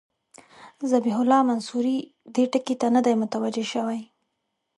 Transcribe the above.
ذبیح الله منصوري دې ټکي ته نه دی متوجه شوی.